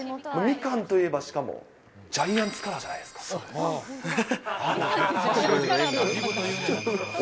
みかんといえば、しかも、ジャイアンツカラーじゃないですか。